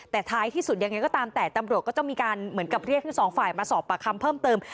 แต่ท้ายที่สุดยังไงก็ตามแต่ตำรวจก็จะมีการเหมือนกับเรียกทั้งสองฝ่ายมาสอบปากคำเพิ่มเติม